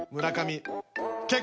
村上。